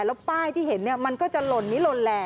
แล้วป้ายที่เห็นมันก็จะหล่นนี้หล่นแหล่